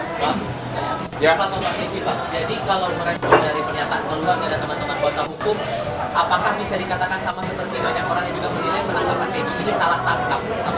ya jadi kalau merespon dari pernyataan keluarga dan teman teman kuasa hukum apakah bisa dikatakan sama seperti banyak orang yang juga menilai penangkapan edi ini salah tangkap